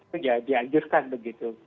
itu diajurkan begitu